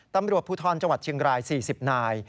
ตำรวจภูทรจังหวัดเชียงราย๔๐นาย